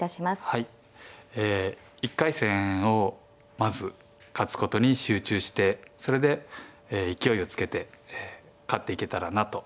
はいえ１回戦をまず勝つことに集中してそれで勢いをつけて勝っていけたらなと思ってます。